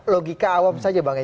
logika awam saja bang